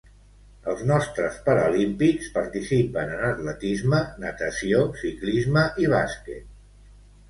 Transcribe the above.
Els nostres paralímpics participen en atletisme, natació, ciclisme i bàsquet.